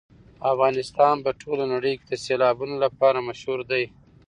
افغانستان په ټوله نړۍ کې د سیلابونو لپاره مشهور دی.